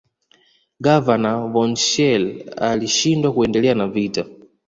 Gavana Von schelle alishindwa kuendelea na vita